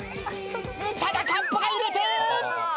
ただカップが揺れて。